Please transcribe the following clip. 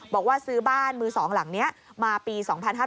บอกว่าซื้อบ้านมือ๒หลังนี้มาปี๒๕๕๙